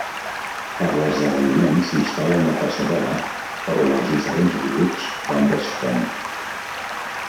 Per a l'esdeveniment s'instal·la una passarel·la per on els diferents grups van desfilant.